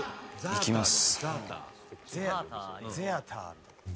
「いきます」